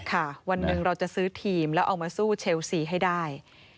วันหนึ่งเราจะซื้อทีมแล้วเอามาสู้เชลซีให้ได้